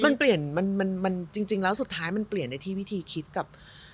มันเปลี่ยนมันจริงแล้วสุดท้ายมันเปลี่ยนในที่วิธีคิดกับ